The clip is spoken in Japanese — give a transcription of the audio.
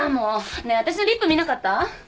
ねえあたしのリップ見なかった？